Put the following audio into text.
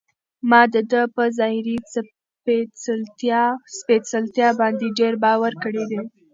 ما د ده په ظاهري سپېڅلتیا باندې ډېر باور کړی و.